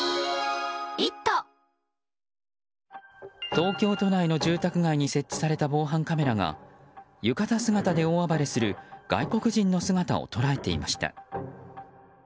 東京都内の住宅街に設置された防犯カメラが浴衣姿で大暴れする外国人の姿を捉えていました。